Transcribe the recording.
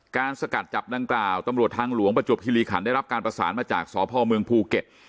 สกัดจับดังกล่าวตำรวจทางหลวงประจวบคิริขันได้รับการประสานมาจากสพเมืองภูเก็ต